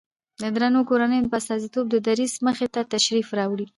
د درنو کورنيو په استازيتوب د دريځ مخې ته تشریف راوړي